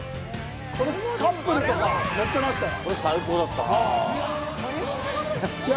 これカップルとか乗ってましたよ。